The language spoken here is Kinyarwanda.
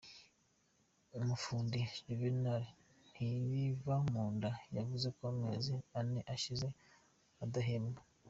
Umufundi, Juvenal Ntirivamunda yavuze ko amezi ane ashize adahembwa.